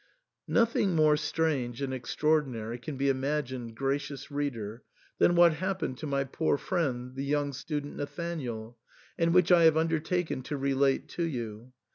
Nothing more strange and extraordinary can be im agined, gracious reader, than what happened to my poor friend, the young student Nathanael, and which I have undertaken to relate to you.